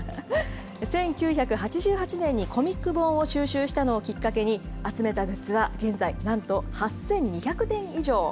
１９８８年にコミック本を収集したのをきっかけに、集めたグッズは現在なんと８２００点以上。